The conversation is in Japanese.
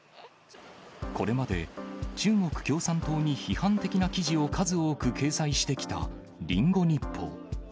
これまで、中国共産党に批判的な記事を数多く掲載してきたリンゴ日報。